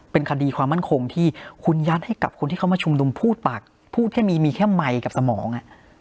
เป็นคดีความมั่นคงที่คุณยัดให้กับคนที่เขามาชุมนุมพูดปากพูดแค่มีแค่ไมค์กับสมอง